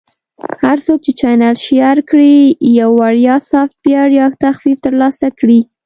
- هر څوک چې چینل Share کړي، یو وړیا سافټویر یا تخفیف ترلاسه کړي.